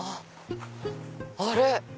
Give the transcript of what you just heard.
あれ？